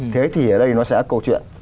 thế thì ở đây nó sẽ có câu chuyện